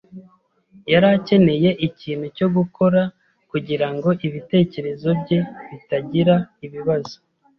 yari akeneye ikintu cyo gukora kugirango ibitekerezo bye bitagira ibibazo.